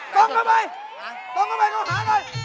ต่อเข้ากล่องกลาย